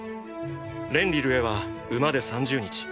レンリルへは馬で３０日。